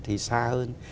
thì xa hơn